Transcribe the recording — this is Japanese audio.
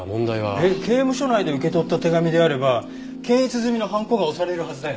えっ刑務所内で受け取った手紙であれば検閲済みのはんこが押されるはずだよね。